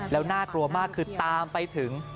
แล้วน่ากลัวมากคือตามไปถึง